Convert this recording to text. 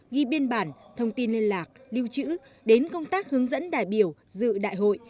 ghi biên bản thông tin liên lạc lưu trữ đến công tác hướng dẫn đại biểu dự đại hội